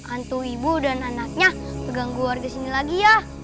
antu ibu dan anaknya keganggu warga sini lagi ya